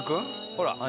ほら。